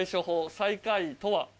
最下位とは？